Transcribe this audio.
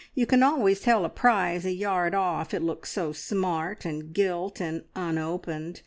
You can always tell a prize a yard off, it looks so smart and gilt, and unopened.